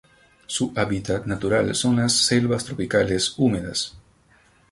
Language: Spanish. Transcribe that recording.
Su hábitat natural son las selvas tropicales húmedas.